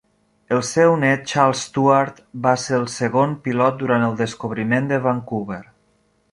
El seu net Charles Stuart va ser segon pilot durant el "descobriment" de Vancouver.